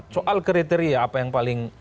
soal kriteria apa yang paling